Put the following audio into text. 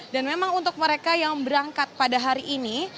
dan memang untuk mereka yang berangkat pada hari ini